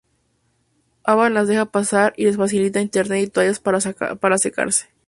Evan las deja pasar y les facilita internet y toallas para secarse.